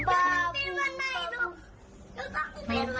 ไฟไหมไฟไหม